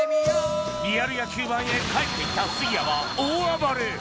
リアル野球 ＢＡＮ へ帰ってきた杉谷は大暴れ！